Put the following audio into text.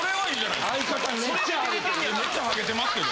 いやめっちゃハゲてますけど。